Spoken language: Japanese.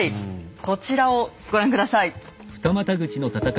こちらをご覧下さい。